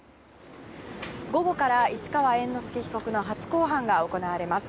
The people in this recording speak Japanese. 午後から市川猿之助被告の初公判が行われます。